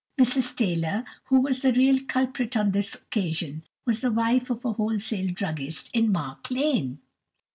Mrs Taylor, who was the real culprit on this occasion, was the wife of a wholesale druggist in Mark Lane.